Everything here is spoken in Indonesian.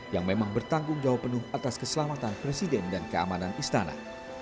yang memang bertanggung jawab penuh atas keselamatan presiden dan keamanan istana